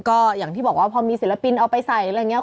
ก็อย่างที่บอกว่าพอมีศิลปินเอาไปใส่อะไรอย่างนี้